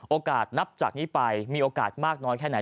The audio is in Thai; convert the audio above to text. นับจากนี้ไปมีโอกาสมากน้อยแค่ไหน